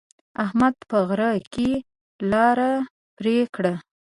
احمد په غره کې لاره پرې کړه.